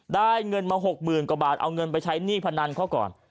ได้เงินมา๖๐๐๐กว่าบาทเอาเงินไปใช้หนี้พนันเขาก่อน